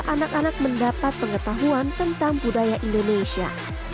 anak anak mendapat pengetahuan tentang budaya indonesia